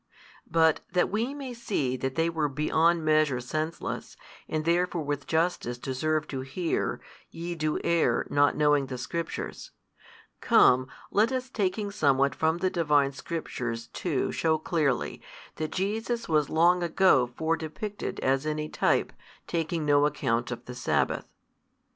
But that we may see that they were beyond measure senseless, and therefore with justice deserve to hear, Ye do err, not knowing the Scriptures; come let us taking somewhat from the Divine Scriptures too shew clearly, that Jesus was long ago foredepicted as in a type taking no account of the sabbath.